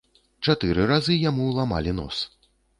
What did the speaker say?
Чатыры разы яму ламалі нос.